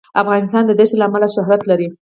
افغانستان د ښتې له امله شهرت لري.